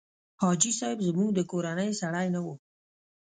حاجي صاحب زموږ د کورنۍ سړی نه و.